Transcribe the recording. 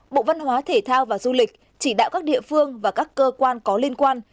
bộ văn hóa thể thao và du lịch chỉ đạo các địa phương và các cơ quan có liên quan